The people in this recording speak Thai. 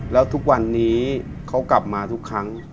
แล้วทุกวันนี้เขากลับมาทุกครั้ง